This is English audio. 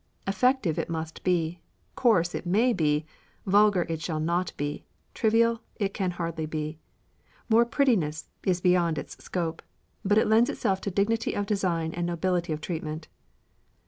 Effective it must be: coarse it may be: vulgar it should not be: trivial it can hardly be: mere prettiness is beyond its scope: but it lends itself to dignity of design and nobility of treatment."